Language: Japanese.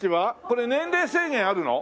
これ年齢制限あるの？